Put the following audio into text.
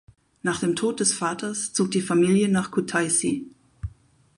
Nach dem Tod des Vaters zog die Familie nach Kutaissi.